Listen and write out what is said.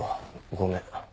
ごめん。